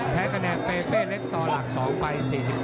แพ้คะแนนเปเป้เล็กต่อหลัก๒ไป๔๕